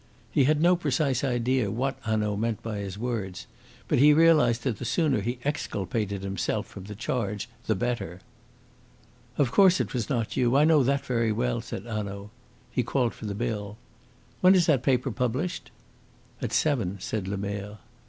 He had no precise idea what Hanaud meant by his words; but he realised that the sooner he exculpated himself from the charge the better. "Of course it was not you. I know that very well," said Hanaud. He called for the bill. "When is that paper published?" "At seven," said Lemerre.